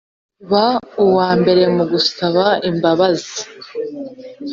ba uwambere mugusaba imbabazi